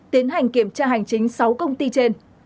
tiến hành kiểm tra hành chính sáu công ty trên